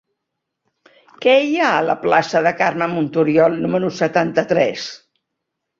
Què hi ha a la plaça de Carme Montoriol número setanta-tres?